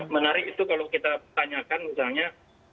menarik itu kalau kita tanyakan misalnya